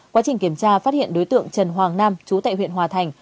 quá trình kiểm tra phát hiện đối tượng trần hoàng nam chú tại huyện hòa thành